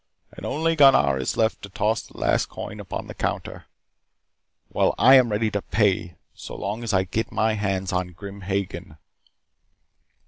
And only Gunnar is left to toss the last coin upon the counter. Well, I am ready to pay, so long as I get my hands on Grim Hagen."